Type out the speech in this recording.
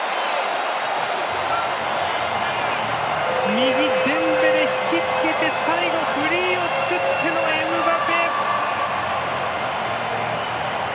右、デンベレ引きつけて最後フリーを作ってのエムバペ！